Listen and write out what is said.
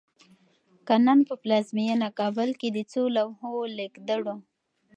که نن په پلازمېنه کابل کې د څو لوحو لیکدړو